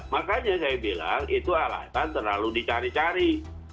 makanya saya bilang itu alasan terlalu dicari cari